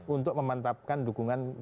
untuk memantapkan dukungan